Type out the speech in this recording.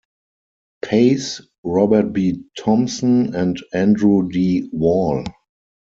Pace, Robert B. Thompson, and Andrew D. Wall.